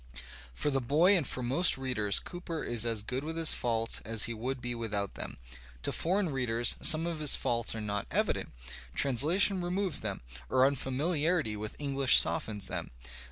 For the boy and for most readers Cooper is as good with his faults as he would be without them. To foreign readers some of his faults are not evident; translation removes them, or unfamiliarity with EngUsh softens them.